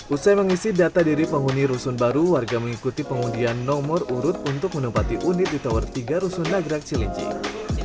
usai mengisi data diri penghuni rusun baru warga mengikuti pengundian nomor urut untuk menempati unit di tower tiga rusun nagrak cilincing